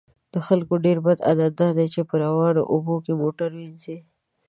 د خلکو ډیر بد عادت دا دی چې په روانو اوبو کې موټر وینځي